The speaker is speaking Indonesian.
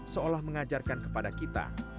seolah mengajarkan kepada kita